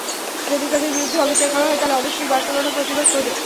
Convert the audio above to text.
যদি তাদের বিরুদ্ধে অবিচার করা হয়, তাহলে অবশ্যই বার্সেলোনা প্রতিবাদ করবে।